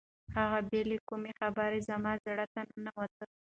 هغه بې له کومې خبرې زما زړه ته ننوته.